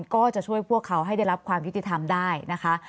ก็จะช่วยพวกเขาให้ได้รับความยุติธรรมได้นะคะ